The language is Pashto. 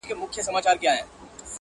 دا ستا چي گراني ستا تصوير په خوب وويني،